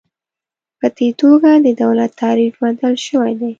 په دې توګه د دولت تعریف بدل شوی دی.